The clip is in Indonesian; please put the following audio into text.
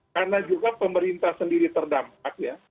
karena juga pemerintah sendiri terdampak